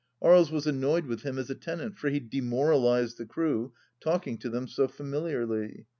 Aries was annoyed with him as a tenant, for he demoralized the crew, talking to them so familiarly.